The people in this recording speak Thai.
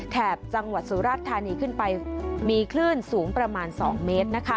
แถบจังหวัดสุราชธานีขึ้นไปมีคลื่นสูงประมาณ๒เมตรนะคะ